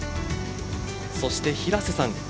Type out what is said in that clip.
そして平瀬さん